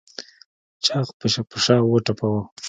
چاغ په شا وټپوه.